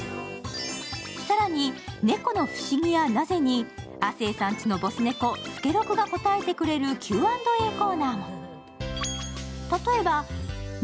更に、猫の不思議やなぜに亜生さんちのボス猫、助六が答えてくれるＱ＆Ａコーナー。